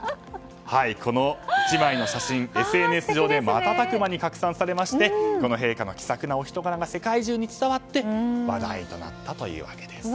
この１枚の写真、ＳＮＳ上で瞬く間に拡散されまして陛下の気さくなお人柄が世界中に伝わって話題となったというわけです。